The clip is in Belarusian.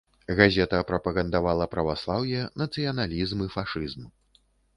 Газета, прапагандавала праваслаўе, нацыяналізм і фашызм.